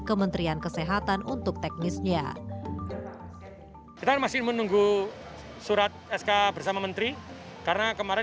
kementerian kesehatan untuk teknisnya kita masih menunggu surat sk bersama menteri karena kemarin